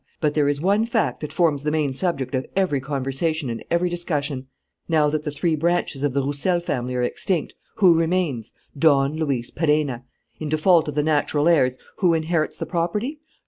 But there is one fact that forms the main subject of every conversation and every discussion. "Now that the three branches of the Roussel family are extinct, who remains? Don Luis Perenna. In default of the natural heirs, who inherits the property?